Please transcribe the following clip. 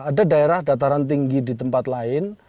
ada daerah dataran tinggi di tempat lain